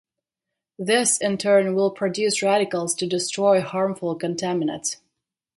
This in turn will produce radicals to destroy harmful contaminates.